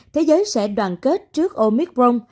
thế giới sẽ đoàn kết trước omicron